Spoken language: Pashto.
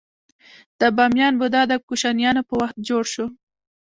د بامیان بودا د کوشانیانو په وخت جوړ شو